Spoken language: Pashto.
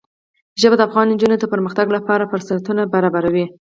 ژبې د افغان نجونو د پرمختګ لپاره فرصتونه برابروي.